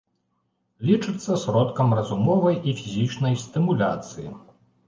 Лічыцца сродкам разумовай і фізічнай стымуляцыі.